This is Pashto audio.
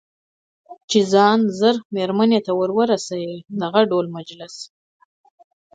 چې ځان ژر مېرمنې ته ورسوي، دغه ډول مجلس.